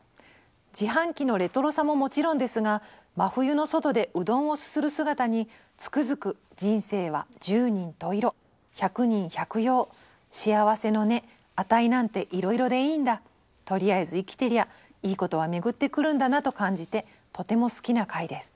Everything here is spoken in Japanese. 「自販機のレトロさももちろんですが真冬の外でうどんをすする姿につくづく人生は十人十色百人百様幸せの値値なんていろいろでいいんだとりあえず生きてりゃいいことは巡ってくるんだなと感じてとても好きな回です」。